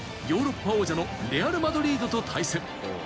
ヨーロッパ王者のレアル・マドリードと対戦。